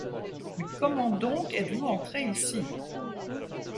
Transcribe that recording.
Mais comment donc êtes-vous entré ici?